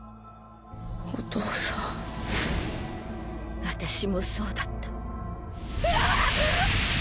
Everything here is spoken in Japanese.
お父さん私もそうだった。